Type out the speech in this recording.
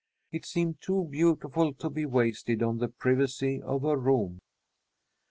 It seemed too beautiful to be wasted on the privacy of her room.